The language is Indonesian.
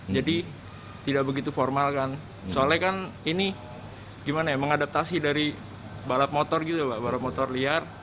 jadi tidak begitu formal kan soalnya kan ini mengadaptasi dari balap motor gitu ya pak balap motor liar